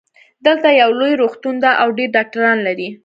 دلته یو لوی روغتون ده او ډېر ډاکټران لری